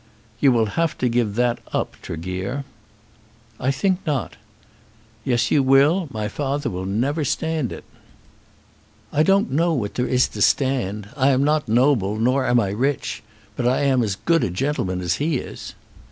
"You will have to give that up, Tregear." "I think not." "Yes, you will; my father will never stand it." "I don't know what there is to stand. I am not noble, nor am I rich; but I am as good a gentleman as he is."